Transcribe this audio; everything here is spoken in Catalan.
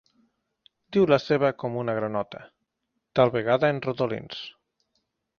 Diu la seva com una granota, tal vegada en rodolins.